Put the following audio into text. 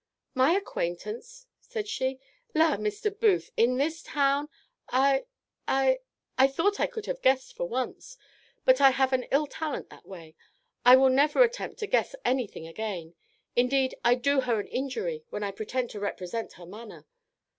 "'My acquaintance!' said she: 'La! Mr. Booth In this town! I I I thought I could have guessed for once; but I have an ill talent that way I will never attempt to guess anything again.' Indeed I do her an injury when I pretend to represent her manner.